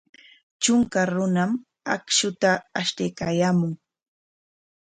Trunka runam akshuta ashtaykaayaamun.